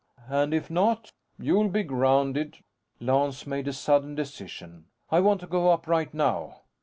"And if not?" "You'll be grounded." Lance made a sudden decision. "I want to go up right now."